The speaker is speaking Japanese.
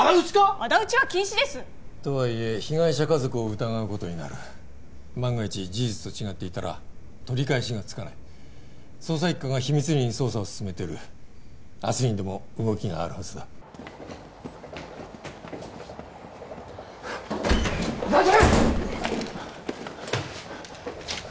あだ討ちは禁止です！とはいえ被害者家族を疑うことになる万が一事実と違っていたら取り返しがつかない捜査一課が秘密裏に捜査を進めてる明日にでも動きがあるはずだ安達！